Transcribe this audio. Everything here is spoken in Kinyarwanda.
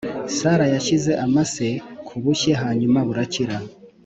sara yashyize amase ku bushye hanyuma burakira.